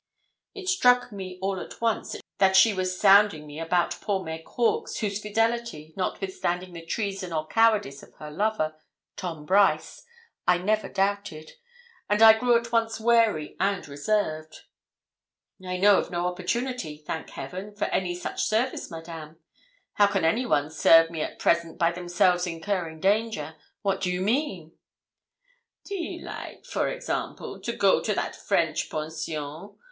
It struck me all at once that she was sounding me about poor Meg Hawkes, whose fidelity, notwithstanding the treason or cowardice of her lover, Tom Brice, I never doubted; and I grew at once wary and reserved. 'I know of no opportunity, thank Heaven, for any such service, Madame. How can anyone serve me at present, by themselves incurring danger? What do you mean?' 'Do you like, for example, to go to that French Pension?